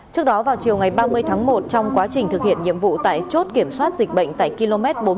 trước đó vào chiều ngày ba mươi tháng một trong quá trình thực hiện nhiệm vụ tại chốt kiểm soát dịch bệnh tại km hải dương